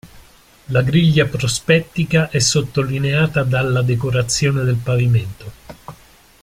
La griglia prospettica è sottolineata dalla decorazione del pavimento.